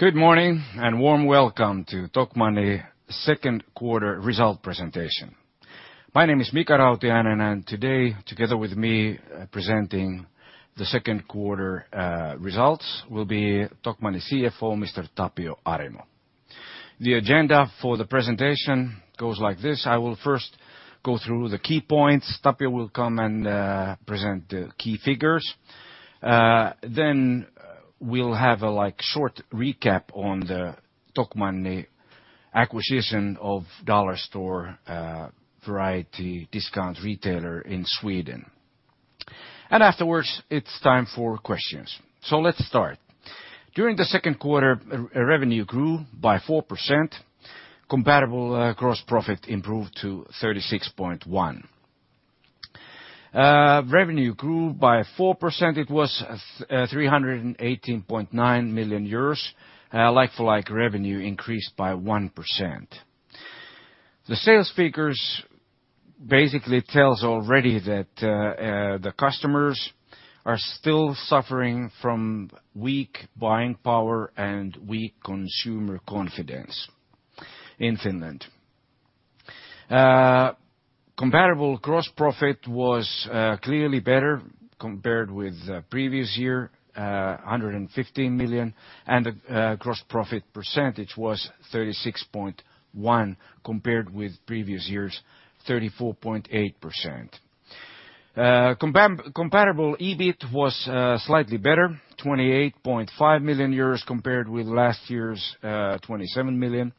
Good morning, warm welcome to Tokmanni second quarter result presentation. My name is Mika Rautiainen, today, together with me, presenting the second quarter results will be Tokmanni CFO, Mr. Tapio Arimo. The agenda for the presentation goes like this: I will first go through the key points. Tapio will come and present the key figures. Then we'll have a, like, short recap on the Tokmanni acquisition of Dollarstore AB, variety discount retailer in Sweden. Afterwards, it's time for questions. Let's start. During the second quarter, revenue grew by 4%, comparable gross profit improved to 36.1. Revenue grew by 4%, it was 318.9 million euros. Like-for-like revenue increased by 1%. The sales figures basically tells already that the customers are still suffering from weak buying power and weak consumer confidence in Finland. comparable gross profit was clearly better compared with the previous year, 115 million, and the gross profit percentage was 36.1%, compared with previous years' 34.8%. comparable EBIT was slightly better, 28.5 million euros compared with last year's 27 million,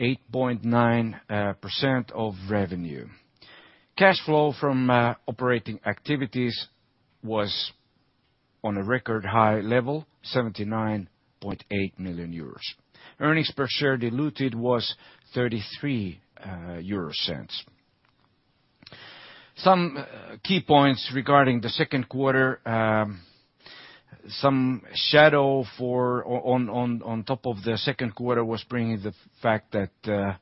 8.9% of revenue. Cash flow from operating activities was on a record high level, 79.8 million euros. Earnings per share diluted was 0.33. Some key points regarding the second quarter, some shadow for on top of the second quarter was bringing the fact that the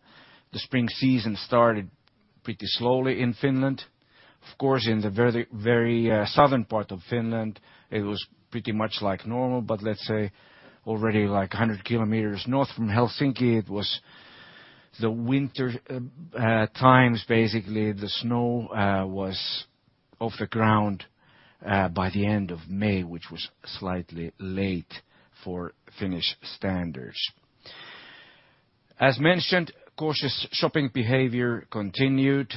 spring season started pretty slowly in Finland. Of course, in the very, very southern part of Finland, it was pretty much like normal, but let's say, already like 100 kilometers north from Helsinki, it was the winter times. Basically, the snow was off the ground by the end of May, which was slightly late for Finnish standards. As mentioned, cautious shopping behavior continued.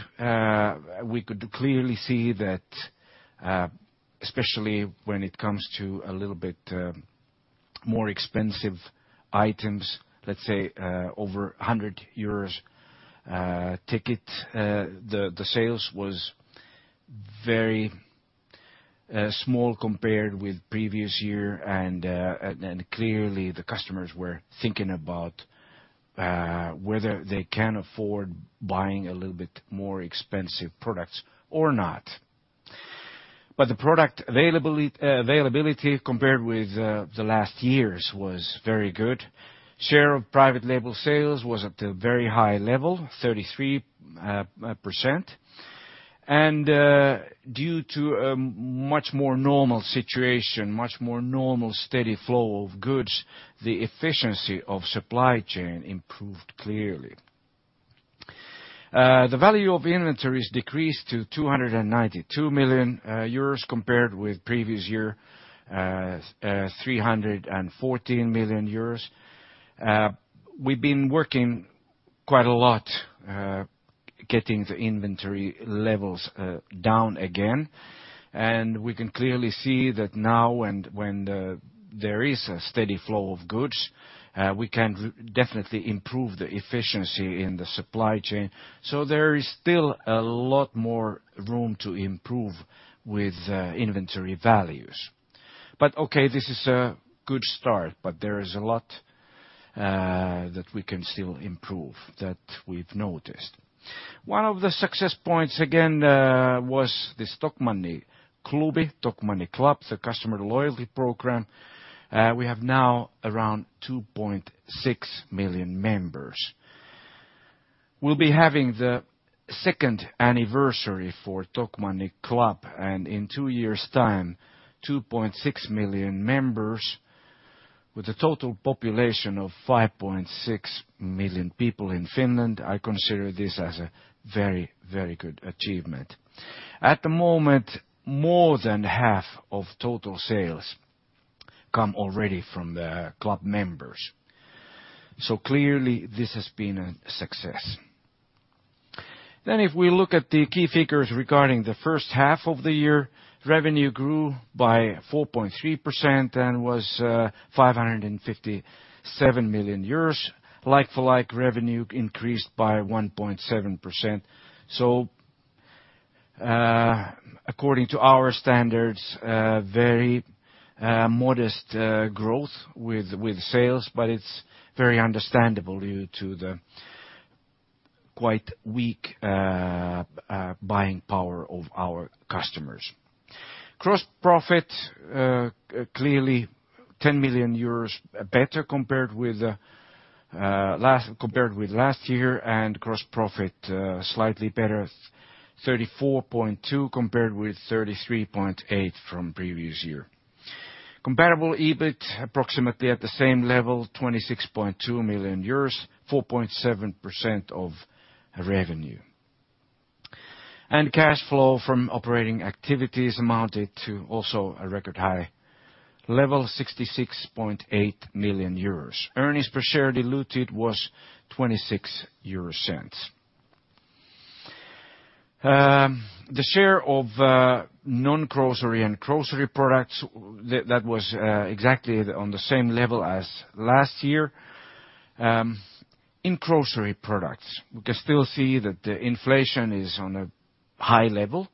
We could clearly see that especially when it comes to a little bit more expensive items, let's say, over 100 euros ticket, the sales was very small compared with previous year, clearly, the customers were thinking about whether they can afford buying a little bit more expensive products or not. The product availability, compared with the last years', was very good. Share of private label sales was at a very high level, 33%. Due to a much more normal situation, much more normal, steady flow of goods, the efficiency of supply chain improved clearly. The value of inventories decreased to 292 million euros, compared with previous year, 314 million euros. We've been working quite a lot getting the inventory levels down again, and we can clearly see that now and when there is a steady flow of goods, we can definitely improve the efficiency in the supply chain. There is still a lot more room to improve with inventory values. Okay, this is a good start, but there is a lot that we can still improve, that we've noticed. One of the success points again, was this Tokmanni Klubi, Tokmanni Club, the customer loyalty program. We have now around 2.6 million members. We'll be having the second anniversary for Tokmanni Club, and in two years' time, 2.6 million members, with a total population of 5.6 million people in Finland, I consider this as a very, very good achievement. At the moment, more than half of total sales come already from the club members. Clearly, this has been a success. If we look at the key figures regarding the first half of the year, revenue grew by 4.3% and was 557 million euros. Like-for-like revenue increased by 1.7%. According to our standards, very modest growth with sales, but it's very understandable due to the quite weak buying power of our customers. Gross profit, 10 million euros better compared with last, compared with last year, and gross profit slightly better, 34.2 compared with 33.8 from previous year. Comparable EBIT approximately at the same level, 26.2 million euros, 4.7% of revenue. Cash flow from operating activities amounted to also a record high level, 66.8 million euros. Earnings per share diluted was 0.26. The share of non-grocery and grocery products was exactly on the same level as last year. In grocery products, we can still see that the inflation is on a high level.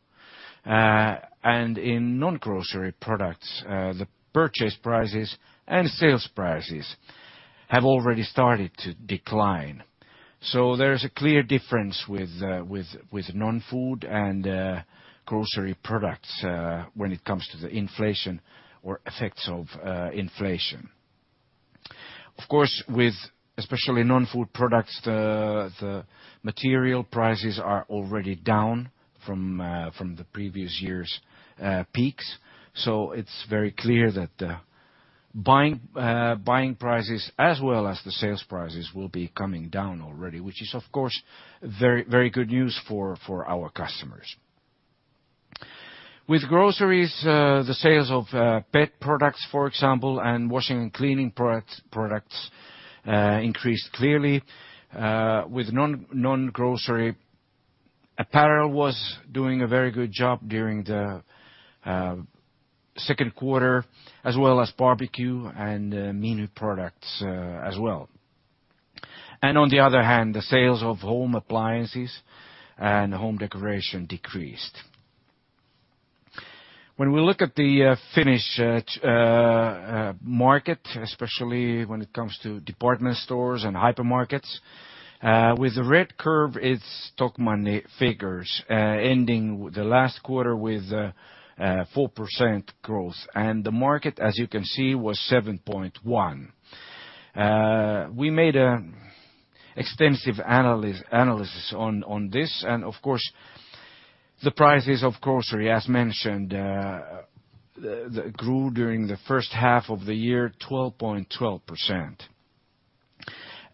In non-grocery products, the purchase prices and sales prices have already started to decline. There is a clear difference with, with, with non-food and grocery products when it comes to the inflation or effects of inflation. Of course, with especially non-food products, the, the material prices are already down from from the previous year's peaks. It's very clear that the buying, buying prices, as well as the sales prices, will be coming down already, which is, of course, very, very good news for, for our customers. With groceries, the sales of pet products, for example, and washing and cleaning products increased clearly with non, non-grocery. Apparel was doing a very good job during the second quarter, as well as barbecue and menu products as well. On the other hand, the sales of home appliances and home decoration decreased. When we look at the Finnish market, especially when it comes to department stores and hypermarkets, with the red curve, it's Tokmanni figures, ending the last quarter with 4% growth. The market, as you can see, was 7.1. We made a extensive analysis on this, and of course, the prices of grocery, as mentioned, grew during the first half of the year,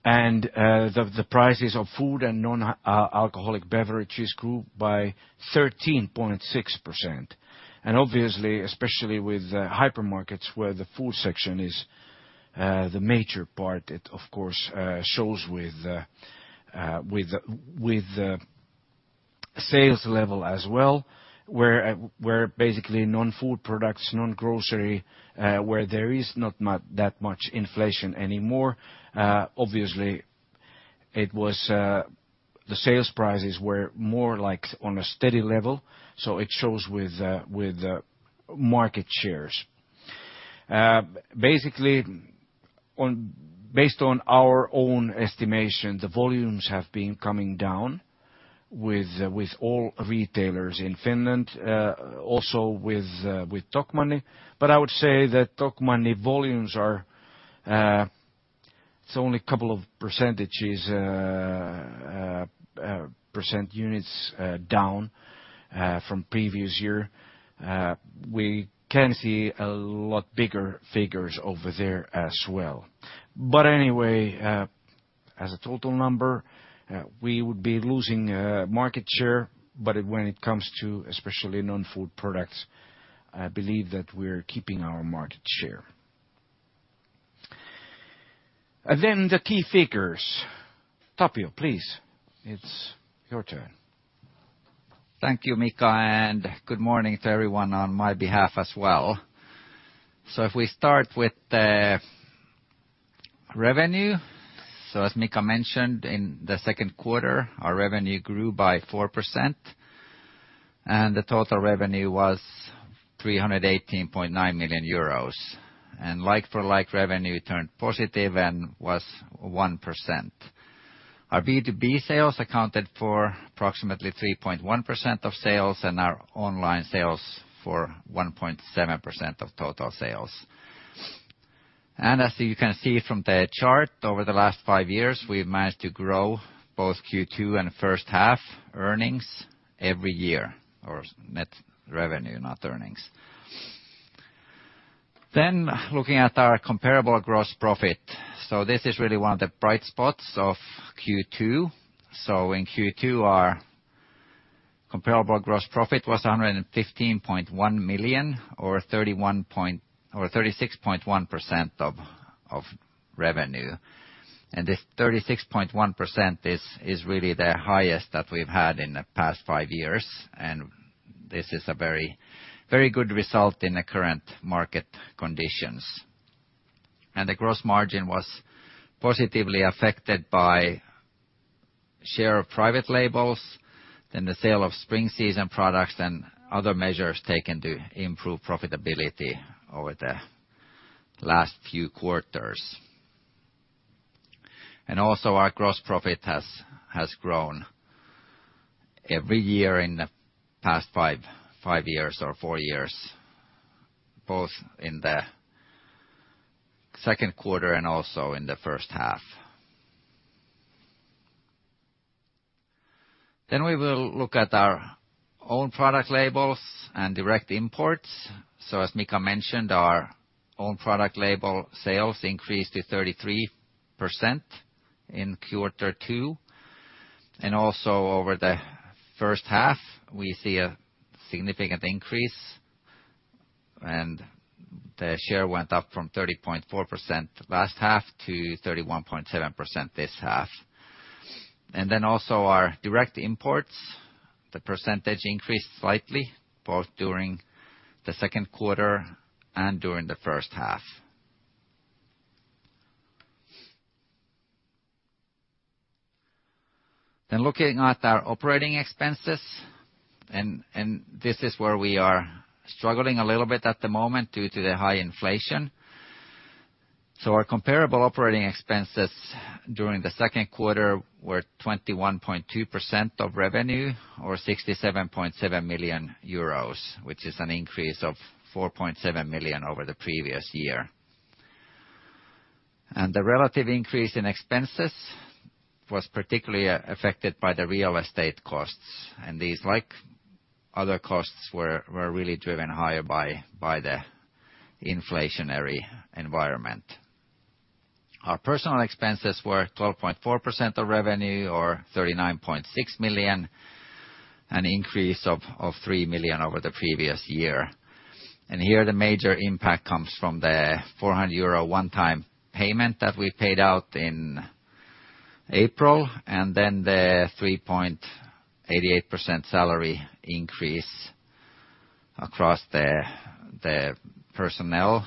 12.12%. The prices of food and alcoholic beverages grew by 13.6%. Obviously, especially with hypermarkets, where the food section is the major part, it, of course, shows with with the, with the sales level as well, where where basically non-food products, non-grocery, where there is not that much inflation anymore. Obviously, it was the sales prices were more like on a steady level, so it shows with with the market shares. Basically, Based on our own estimation, the volumes have been coming down with, with all retailers in Finland, also with with Tokmanni. I would say that Tokmanni volumes are it's only a couple of percent, percent units down from previous year. We can see a lot bigger figures over there as well. Anyway, as a total number, we would be losing market share, but when it comes to especially non-food products, I believe that we're keeping our market share. The key figures. Tapio, please, it's your turn. Thank you, Mika, good morning to everyone on my behalf as well. If we start with the revenue, so as Mika mentioned, in the second quarter, our revenue grew by 4%, and the total revenue was 318.9 million euros. Like for like, revenue turned positive and was 1%. Our B2B sales accounted for approximately 3.1% of sales, and our online sales for 1.7% of total sales. As you can see from the chart, over the last five years, we've managed to grow both Q2 and first half earnings every year, or net revenue, not earnings. Looking at our comparable gross profit, so this is really one of the bright spots of Q2. In Q2, our comparable gross profit was 115.1 million or 36.1% of revenue. This 36.1% is really the highest that we've had in the past five years, and this is a very, very good result in the current market conditions. The gross margin was positively affected by share of private labels, then the sale of spring season products, and other measures taken to improve profitability over the last few quarters. Also our gross profit has grown every year in the past five years or four years, both in the second quarter and also in the first half. We will look at our own product labels and direct imports. As Mika mentioned, our own product label sales increased to 33% in quarter two, and also over the first half, we see a significant increase, and the share went up from 30.4% last half to 31.7% this half. Also our direct imports, the percentage increased slightly, both during the second quarter and during the first half. Looking at our operating expenses, and this is where we are struggling a little bit at the moment due to the high inflation. Our comparable operating expenses during the second quarter were 21.2% of revenue, or 67.7 million euros, which is an increase of 4.7 million over the previous year. The relative increase in expenses was particularly affected by the real estate costs, and these, like other costs, were, were really driven higher by, by the inflationary environment. Our personal expenses were 12.4% of revenue, or 39.6 million, an increase of, of 3 million over the previous year. Here, the major impact comes from the 400 euro one-time payment that we paid out in April, and then the 3.88% salary increase across the, the personnel.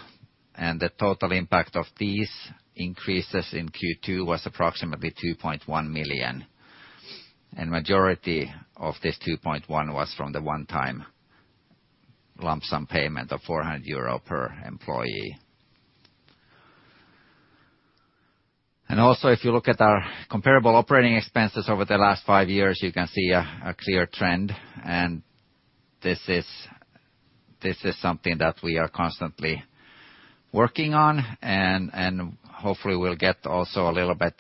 The total impact of these increases in Q2 was approximately 2.1 million. Majority of this 2.1 million was from the one-time lump sum payment of 400 euro per employee. Also, if you look at our comparable operating expenses over the last 5 years, you can see a clear trend, and this is something that we are constantly working on, and hopefully we'll get also a little bit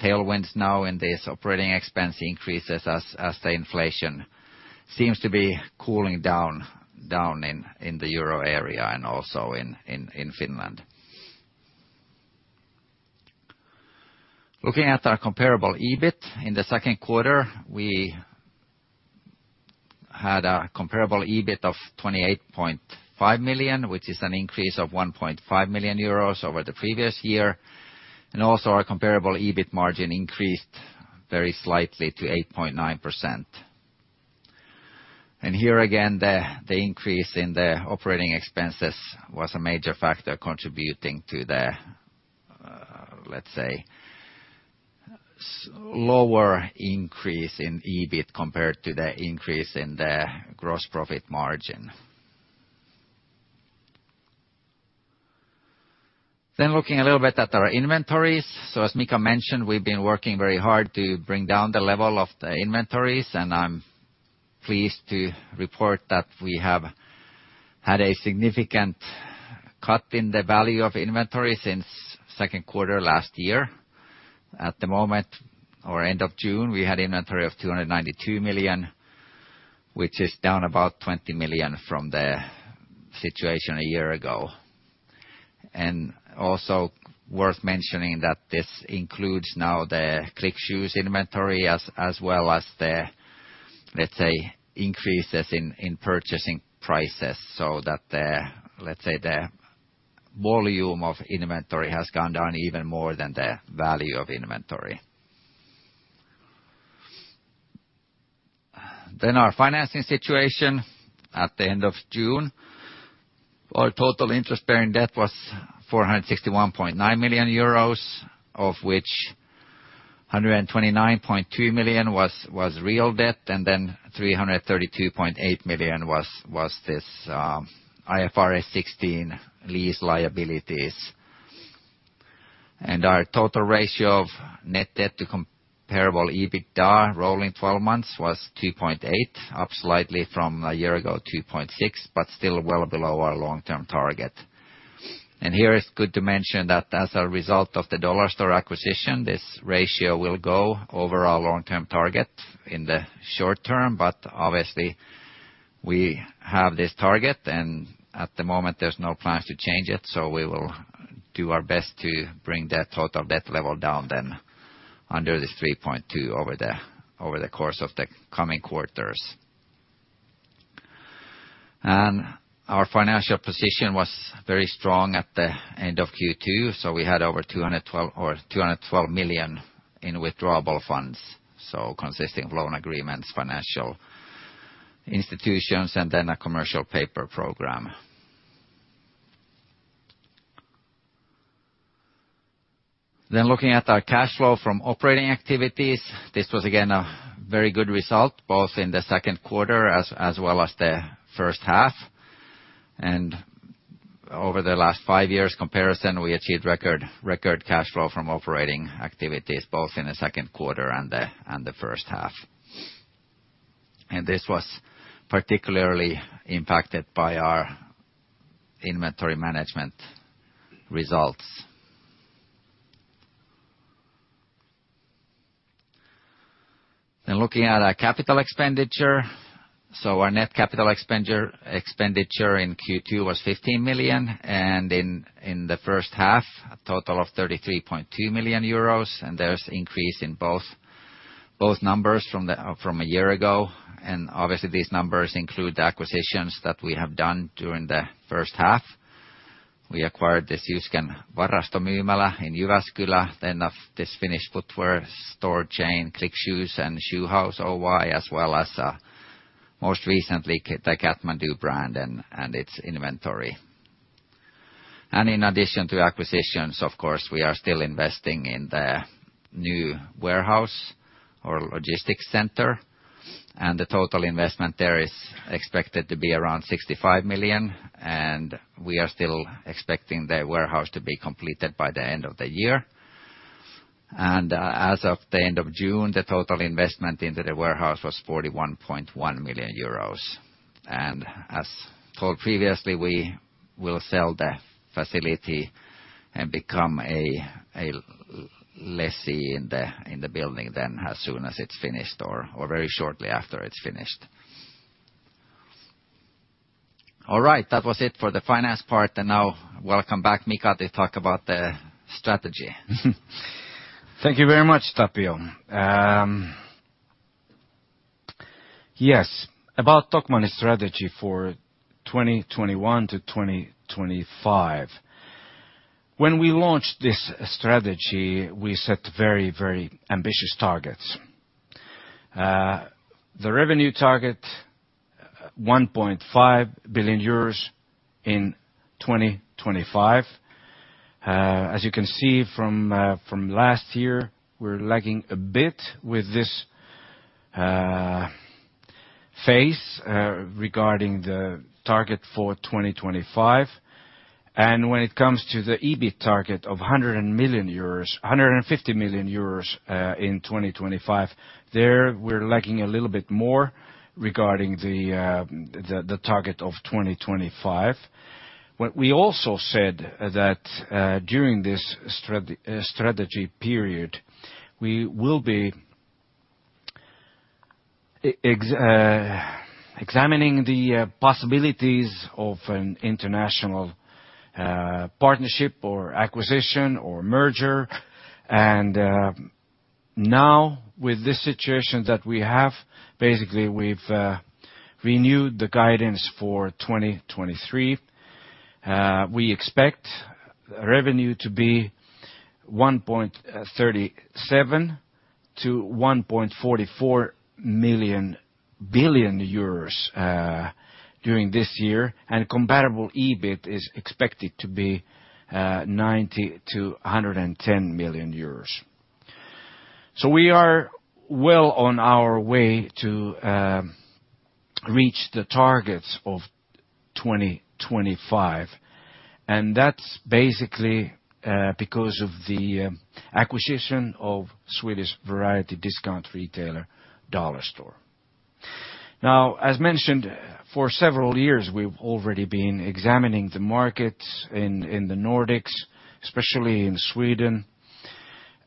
tailwinds now in these operating expense increases as the inflation seems to be cooling down in the Euro area and also in Finland. Looking at our comparable EBIT, in the second quarter, we had a comparable EBIT of 28.5 million, which is an increase of 1.5 million euros over the previous year. Also our comparable EBIT margin increased very slightly to 8.9%. Here again, the, the increase in the operating expenses was a major factor contributing to the, let's say, s- lower increase in EBIT compared to the increase in the gross profit margin. Looking a little bit at our inventories. As Mika mentioned, we've been working very hard to bring down the level of the inventories, and I'm pleased to report that we have had a significant cut in the value of inventory since second quarter last year. At the moment, or end of June, we had inventory of 292 million, which is down about 20 million from the situation a year ago. Also worth mentioning that this includes now the Click Shoes inventory as, as well as the, let's say, increases in, in purchasing prices, so that the, let's say, the volume of inventory has gone down even more than the value of inventory. Our financing situation at the end of June, our total interest-bearing debt was 461.9 million euros, of which EUR. 1292 million was, was real debt, and then 332.8 million was, was this IFRS 16 lease liabilities. Our total ratio of net debt to comparable EBITDA, rolling 12 months, was 2.8, up slightly from a year ago, 2.6, but still well below our long-term target. Here, it's good to mention that as a result of the Dollarstore acquisition, this ratio will go over our long-term target in the short-term, but obviously, we have this target, and at the moment, there's no plans to change it, so we will do our best to bring that total debt level down then under this 3.2 over the course of the coming quarters. Our financial position was very strong at the end of Q2, so we had over 212 million in withdrawable funds, so consisting of loan agreements, financial institutions, and then a commercial paper program. Looking at our cash flow from operating activities, this was again, a very good result, both in the second quarter as well as the first half. over the last five years comparison, we achieved record, record cash flow from operating activities, both in the second quarter and the first half. This was particularly impacted by our inventory management results. Looking at our capital expenditure. Our net capital expenditure in Q2 was 15 million, and in the first half, a total of 33.2 million euros, and there's increase in both, both numbers from a year ago. Obviously, these numbers include the acquisitions that we have done during the first half. We acquired the Syyskenkä Varastomyymälä in Jyväskylä, then of this Finnish footwear store chain, Click Shoes and Shoe House Oy, as well as, most recently, the Catmandoo brand and its inventory. In addition to acquisitions, of course, we are still investing in the new warehouse or logistics center, and the total investment there is expected to be around 65 million, and we are still expecting the warehouse to be completed by the end of the year. As of the end of June, the total investment into the warehouse was 41.1 million euros. As told previously, we will sell the facility and become a lessee in the building then as soon as it's finished or very shortly after it's finished. All right, that was it for the finance part, and now welcome back, Mika, to talk about the strategy. Thank you very much, Tapio. Yes, about Tokmanni strategy for 2021 to 2025. When we launched this strategy, we set very, very ambitious targets. The revenue target, 1.5 billion EUR in 2025. As you can see from last year, we're lagging a bit with this phase regarding the target for 2025. When it comes to the EBIT target of 150 million euros in 2025, there, we're lagging a little bit more regarding the target of 2025. What we also said is that during this strategy period, we will be examining the possibilities of an international partnership or acquisition or merger. Now, with this situation that we have, basically, we've renewed the guidance for 2023. We expect revenue to be 1.37 billion-1.44 billion euros during this year, and comparable EBIT is expected to be 90 million-110 million euros. We are well on our way to reach the targets of 2025, and that's basically because of the acquisition of Swedish variety discount retailer, Dollarstore AB. As mentioned, for several years, we've already been examining the markets in the Nordics, especially in Sweden.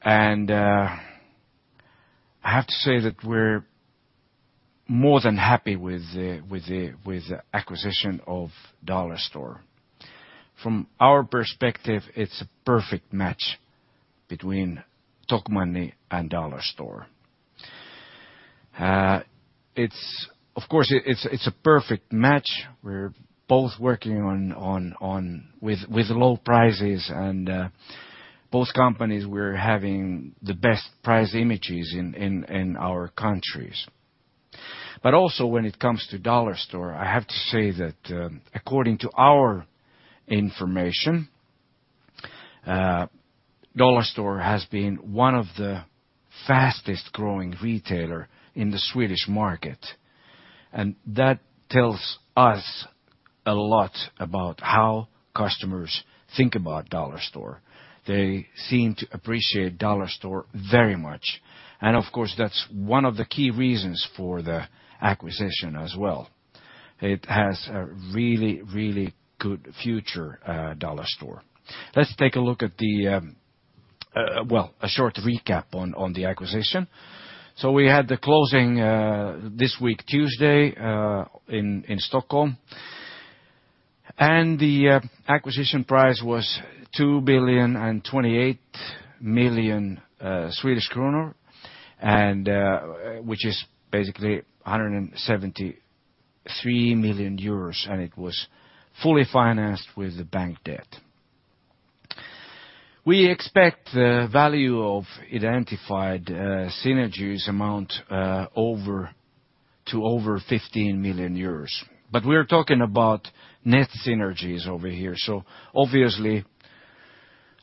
I have to say that we're more than happy with the acquisition of Dollarstore AB. From our perspective, it's a perfect match between Tokmanni and Dollarstore AB. Of course, it's a perfect match. We're both working on with low prices, and both companies we're having the best price images in our countries. Also when it comes to Dollarstore AB, I have to say that, according to our information, Dollarstore AB has been one of the fastest growing retailer in the Swedish market. That tells us a lot about how customers think about Dollarstore AB. They seem to appreciate Dollarstore AB very much. Of course, that's one of the key reasons for the acquisition as well. It has a really, really good future, Dollarstore AB. Let's take a look at the, well, a short recap on the acquisition. We had the closing this week, Tuesday, in Stockholm. The acquisition price was 2 billion and 28 million Swedish kronor, and which is basically 173 million euros, and it was fully financed with the bank debt. We expect the value of identified synergies amount over to over 15 million. We're talking about net synergies over here, so obviously,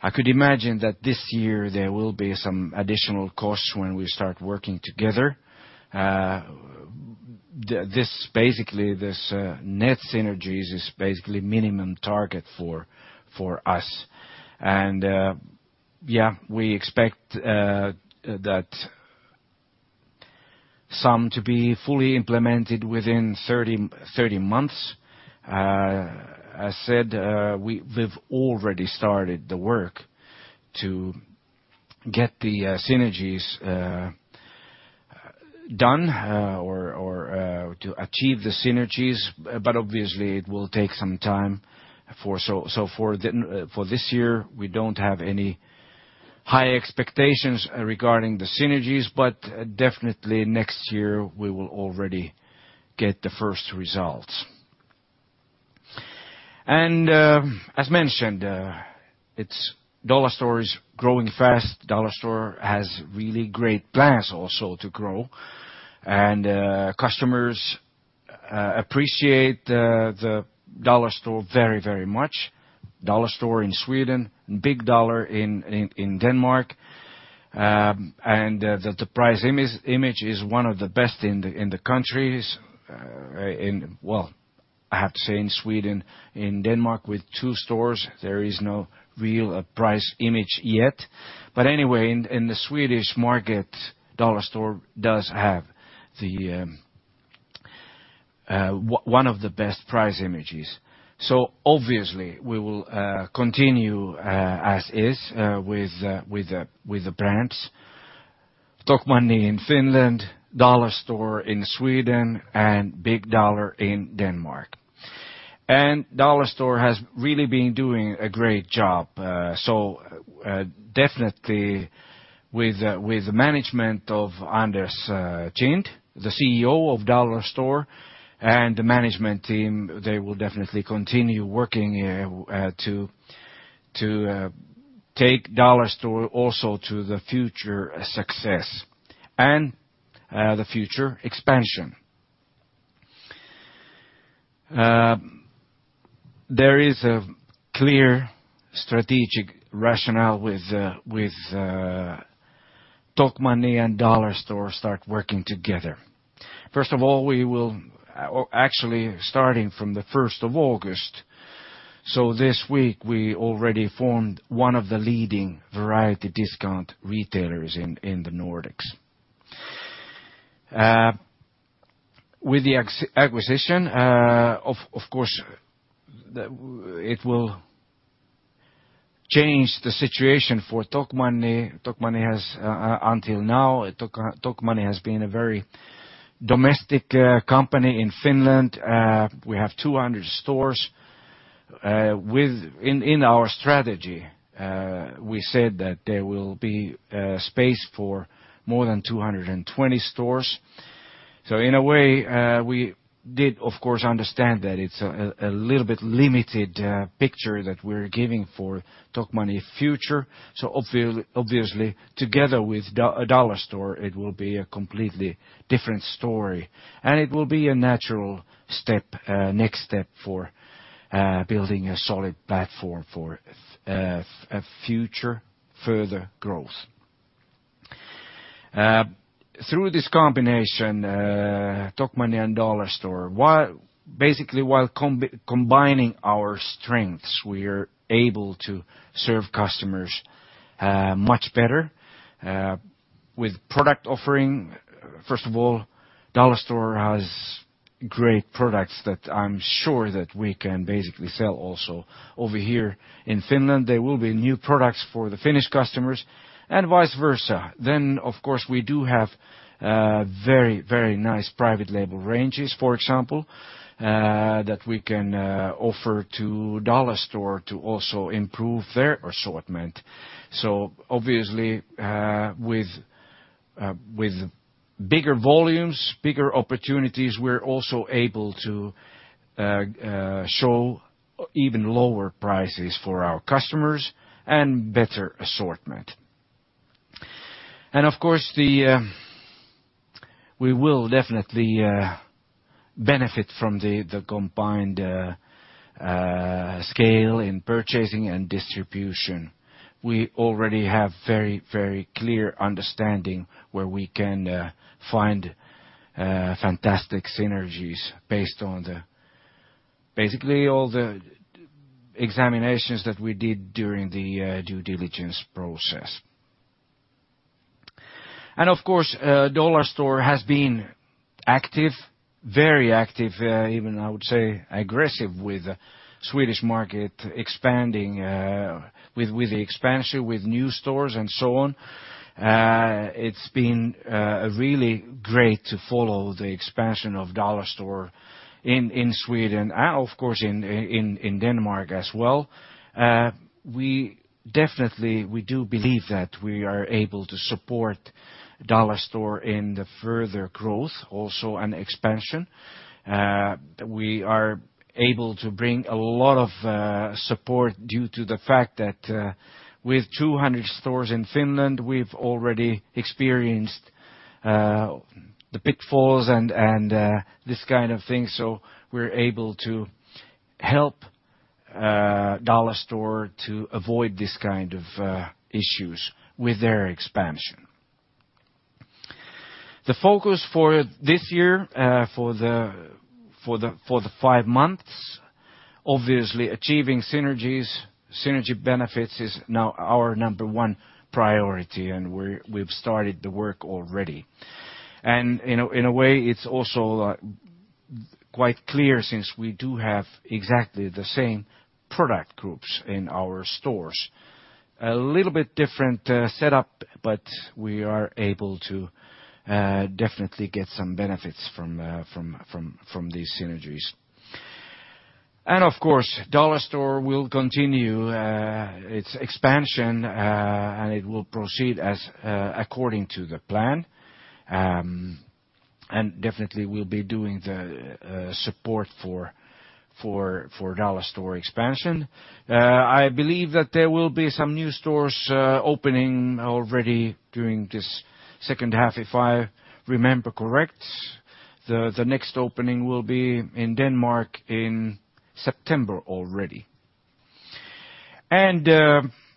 I could imagine that this year there will be some additional costs when we start working together. This basically, this net synergies is basically minimum target for us. Yeah, we expect that some to be fully implemented within 30, 30 months. I said, we've already started the work to get the synergies done, or, or, to achieve the synergies. Obviously, it will take some time for this year, we don't have any high expectations regarding the synergies, but definitely next year we will already get the first results. As mentioned, it's Dollarstore AB is growing fast. Dollarstore AB has really great plans also to grow, and customers appreciate the Dollarstore AB very, very much. Dollarstore AB in Sweden, Big Dollar in, in, in Denmark. And the price image, image is one of the best in the countries. In. Well, I have to say, in Sweden, in Denmark, with two stores, there is no real price image yet. Anyway, in the Swedish market, Dollarstore AB does have the one of the best price images. Obviously, we will continue as is with the, with the, with the brands. Tokmanni in Finland, Dollarstore AB in Sweden, and Big Dollar in Denmark. Dollarstore AB has really been doing a great job. Definitely with the management of Anders Kind, the CEO of Dollarstore AB, and the management team, they will definitely continue working to, to take Dollarstore AB also to the future success and the future expansion. There is a clear strategic rationale with with Tokmanni and Dollarstore AB start working together. First of all, we will actually starting from the first of August, so this week we already formed one of the leading variety discount retailers in, in the Nordics. With the acquisition, of course, it will change the situation for Tokmanni. Tokmanni has until now, Tokmanni has been a very domestic company in Finland. We have 200 stores. In our strategy, we said that there will be space for more than 220 stores. In a way, we did, of course, understand that it's a little bit limited picture that we're giving for Tokmanni future. Obviously, obviously, together with Dollarstore AB, it will be a completely different story, and it will be a natural step, next step for building a solid platform for a future further growth. Through this combination, Tokmanni and Dollarstore AB, basically, while combining our strengths, we are able to serve customers much better with product offering. First of all, Dollarstore AB has great products that I'm sure that we can basically sell also over here in Finland. There will be new products for the Finnish customers and vice versa. Of course, we do have very, very nice private label ranges, for example, that we can offer to Dollarstore AB to also improve their assortment. Obviously, with bigger volumes, bigger opportunities, we're also able to show even lower prices for our customers and better assortment. Of course, the we will definitely benefit from the combined scale in purchasing and distribution. We already have very, very clear understanding where we can find fantastic synergies based on the basically all the examinations that we did during the due diligence process. Of course, Dollarstore AB has been active, very active, even I would say, aggressive with the Swedish market, expanding, with the expansion, with new stores and so on. It's been really great to follow the expansion of Dollarstore AB in Sweden, and of course, in Denmark as well. We definitely, we do believe that we are able to support Dollarstore AB in the further growth, also and expansion. We are able to bring a lot of support due to the fact that, with 200 stores in Finland, we've already experienced the pitfalls and this kind of thing. We're able to help Dollarstore to avoid this kind of issues with their expansion. The focus for this year, for the five months, obviously achieving synergies. Synergy benefits is now our number one priority. We've started the work already. In a way, it's also quite clear since we do have exactly the same product groups in our stores. A little bit different setup, but we are able to definitely get some benefits from these synergies. Of course, Dollarstore will continue its expansion, and it will proceed as according to the plan. Definitely we'll be doing the support for Dollarstore expansion. I believe that there will be some new stores opening already during this second half, if I remember correct. The next opening will be in Denmark in September already.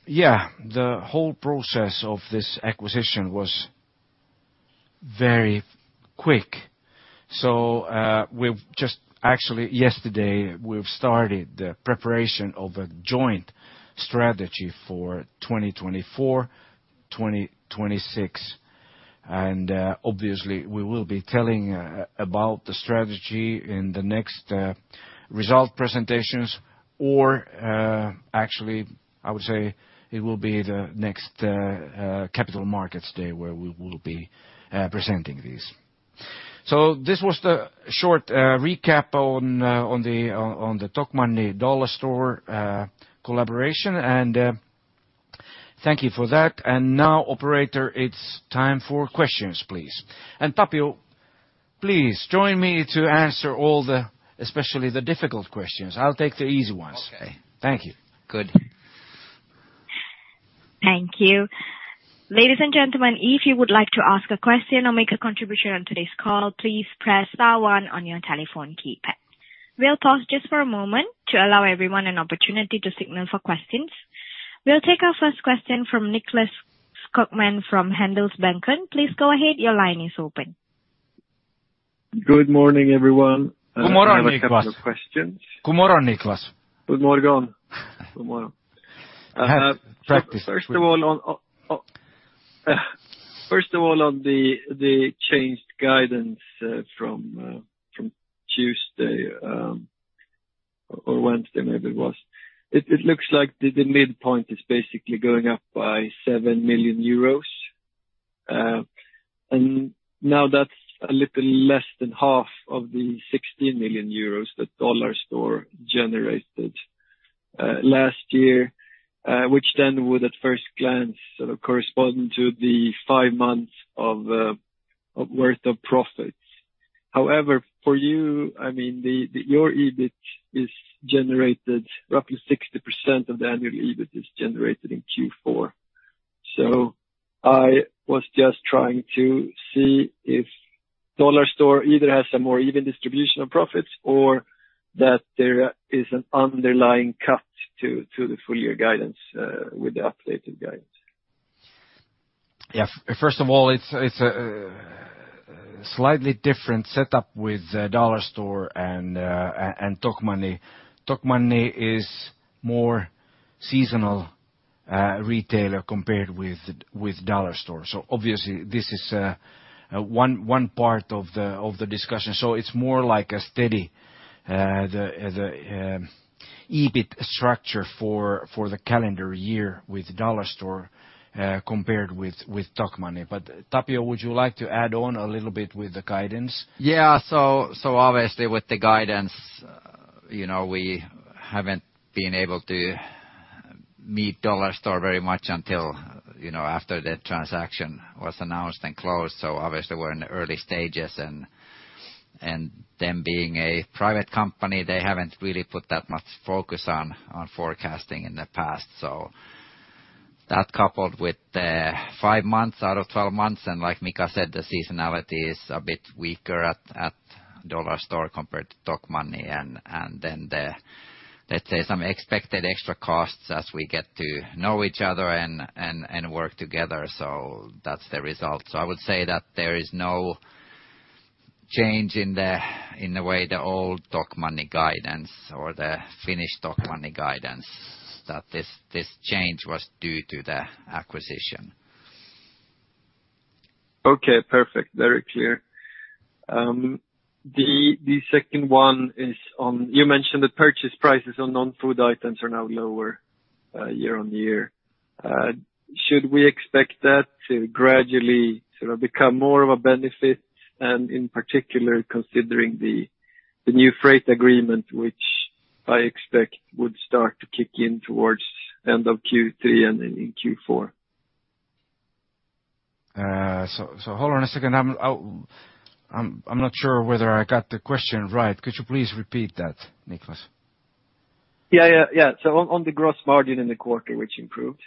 Yeah, the whole process of this acquisition was very quick. Actually, yesterday, we've started the preparation of a joint strategy for 2024, 2026, and obviously, we will be telling about the strategy in the next result presentations or, actually, I would say it will be the next capital markets day where we will be presenting this. This was the short recap on the Tokmanni Dollarstore collaboration, and thank you for that. Now, operator, it's time for questions, please. Tapio, please join me to answer all the, especially the difficult questions. I'll take the easy ones. Okay. Thank you. Good. Thank you. Ladies and gentlemen, if you would like to ask a question or make a contribution on today's call, please press star one on your telephone keypad. We'll pause just for a moment to allow everyone an opportunity to signal for questions. We'll take our first question from Nicklas Skogman from Handelsbanken. Please go ahead. Your line is open. Good morning, everyone. Good morning, Nicklas. I have a couple of questions. Good morning, Nicklas. Good morning. Good morning. I have practiced. First of all, on, first of all, on the changed guidance, from Tuesday, or Wednesday, maybe it was. It looks like the midpoint is basically going up by 7 million euros, and now that's a little less than half of the 60 million euros that Dollarstore generated last year, which then would, at first glance, sort of correspond to the five months of worth of profits. However, for you, I mean, your EBIT is generated roughly 60% of the annual EBIT is generated in Q4. I was just trying to see if Dollarstore either has a more even distribution of profits or that there is an underlying cut to the full year guidance with the updated guidance. Yes. First of all, it's, it's a, slightly different setup with Dollarstore and, and, and Tokmanni. Tokmanni is more seasonal, retailer compared with, with Dollarstore. Obviously, this is, one, one part of the, of the discussion. It's more like a steady, the, the, EBIT structure for, for the calendar year with Dollarstore, compared with, with Tokmanni. Tapio, would you like to add on a little bit with the guidance? Yeah, obviously, with the guidance, you know, we haven't been able to meet Dollarstore very much until, you know, after the transaction was announced and closed. Obviously, we're in the early stages, and them being a private company, they haven't really put that much focus on forecasting in the past. That coupled with the five months out of 12 months, and like Mika said, the seasonality is a bit weaker at Dollarstore compared to Tokmanni, and then the, let's say, some expected extra costs as we get to know each other and work together. That's the result. I would say that there is no change in the way the old Tokmanni guidance or the Finnish Tokmanni guidance, that this change was due to the acquisition. Okay, perfect. Very clear. The second one is on. You mentioned the purchase prices on non-food items are now lower, year-over-year. Should we expect that to gradually sort of become more of a benefit, and in particular, considering the new freight agreement, which I expect would start to kick in towards end of Q3 and in Q4? Hold on a second. I'm not sure whether I got the question right. Could you please repeat that, Nicklas? Yeah, yeah, yeah. On, on the gross margin in the quarter, which improved?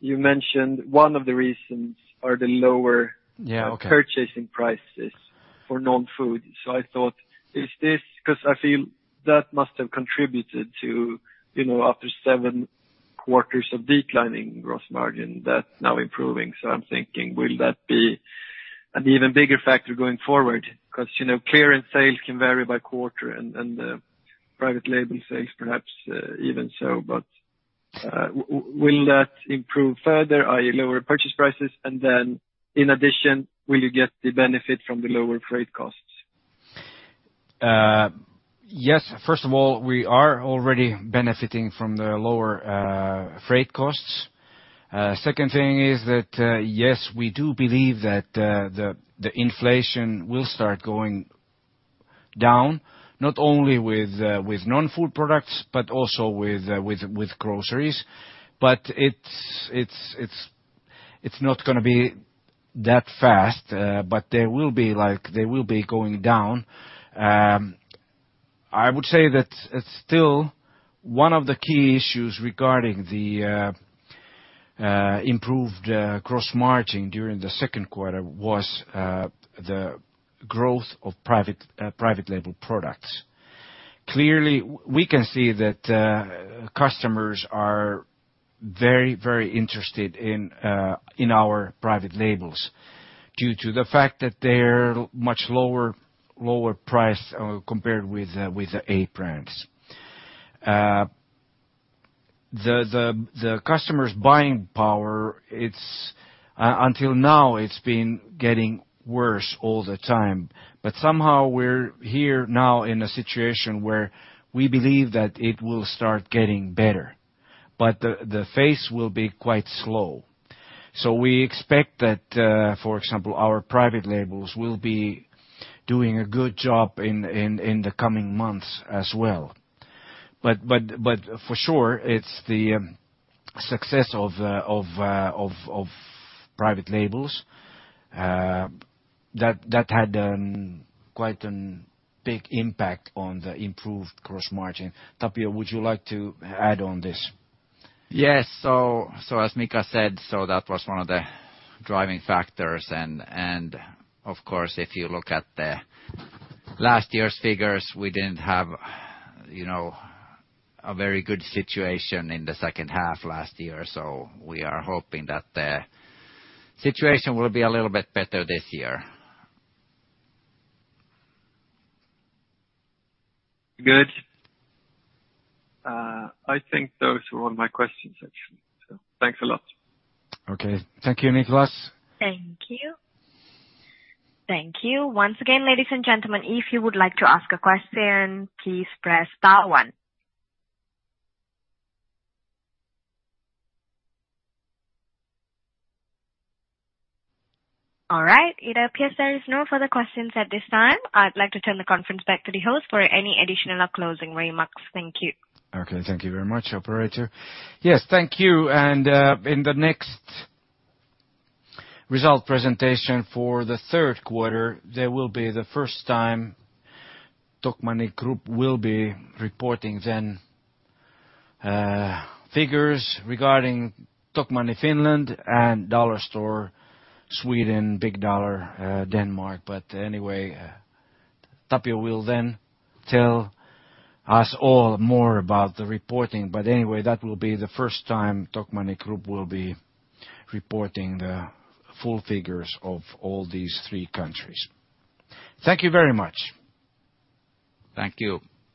You mentioned one of the reasons are the lower. Yeah, okay. purchasing prices for non-food. I thought, is this because I feel that must have contributed to, you know, after seven quarters of declining gross margin, that's now improving. I'm thinking, will that be an even bigger factor going forward? 'Cause, you know, clearance sales can vary by quarter and the private label sales, perhaps, even so. Will that improve further, i.e., lower purchase prices? Then in addition, will you get the benefit from the lower freight costs? Yes. First of all, we are already benefiting from the lower freight costs. Second thing is that, yes, we do believe that the inflation will start going down, not only with non-food products but also with groceries. It's, it's, it's, it's not gonna be that fast, but they will be going down. I would say that it's still one of the key issues regarding the improved cross margin during the second quarter was the growth of private private label products. Clearly, we can see that customers are very, very interested in our private labels due to the fact that they're much lower, lower price, compared with the A brands. The, the, the customer's buying power, it's, until now, it's been getting worse all the time. Somehow we're here now in a situation where we believe that it will start getting better, but the, the phase will be quite slow. We expect that, for example, our private labels will be doing a good job in, in, in the coming months as well. For sure, it's the success of private labels that had a quite big impact on the improved gross margin. Tapio, would you like to add on this? Yes. As Mika said, that was one of the driving factors. Of course, if you look at the last year's figures, we didn't have, you know, a very good situation in the second half last year. We are hoping that the situation will be a little bit better this year. Good. I think those were all my questions, actually. Thanks a lot. Okay. Thank you, Nicklas. Thank you. Thank you. Once again, ladies and gentlemen, if you would like to ask a question, please press star one. All right, it appears there is no further questions at this time. I'd like to turn the conference back to the host for any additional or closing remarks. Thank you. Okay, thank you very much, operator. Yes, thank you. In the next result presentation for the third quarter, there will be the first time Tokmanni Group will be reporting then figures regarding Tokmanni Finland and Dollar Store Sweden, Big Dollar, Denmark. Anyway, Tapio will then tell us all more about the reporting, anyway, that will be the first time Tokmanni Group will be reporting the full figures of all these three countries. Thank you very much. Thank you.